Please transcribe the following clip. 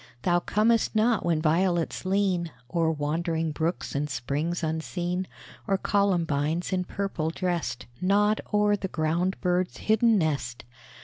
Thou comest not when violets lean O'er wandering brooks and springs unseen, Or columbines, in purple dressed, Nod o'er the ground bird's hidden nest.